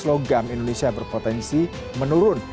slogan indonesia berpotensi menurun